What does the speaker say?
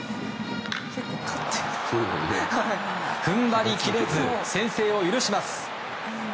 踏ん張り切れず先制を許します。